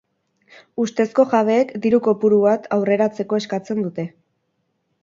Ustezko jabeek diru kopuru bat aurreratzeko eskatzen dute.